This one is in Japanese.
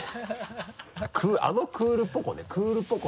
あのクールポコ。ねクールポコ。